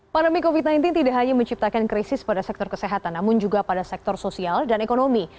pandemi covid sembilan belas tidak hanya menciptakan krisis pada sektor kesehatan namun juga pada sektor sosial dan ekonomi